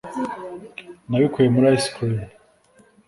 nabikuye muri ice cream